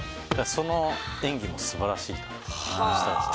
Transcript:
その演技も素晴らしいなと設楽さん。